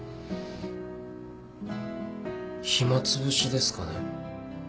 暇つぶしですかね。